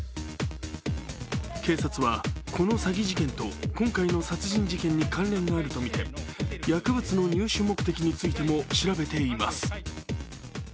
警察はこの詐欺事件と今回の殺人事件に関連があるとみて薬物の入手目的についても調べています。